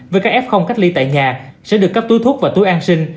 với các f cách ly tại nhà sẽ được cấp túi thuốc và túi an sinh